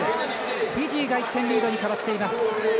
フィジーが１点リードに変わっています。